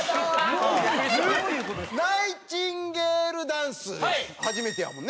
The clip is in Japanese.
ナイチンゲールダンス初めてやもんね。